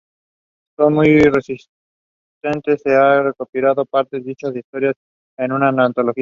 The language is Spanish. Sólo muy recientemente se ha recopilado parte de dichas historias en una antología.